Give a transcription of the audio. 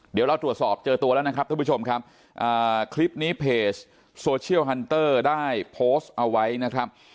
เดี๋ยวเราตรวจสอบเจอตัวแล้วนะครับท่านผู้ชมครับคลิปนี้เพจโซเชียลฮันเตอร์ได้โพสต์เอาไว้นะครับ